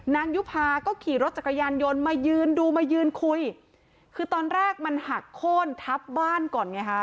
ยุภาก็ขี่รถจักรยานยนต์มายืนดูมายืนคุยคือตอนแรกมันหักโค้นทับบ้านก่อนไงฮะ